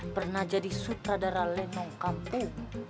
pernah jadi sutradara lenong kampung